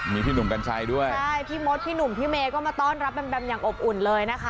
มีพี่หนุ่มกัญชัยด้วยใช่พี่มดพี่หนุ่มพี่เมย์ก็มาต้อนรับแบมแบมอย่างอบอุ่นเลยนะคะ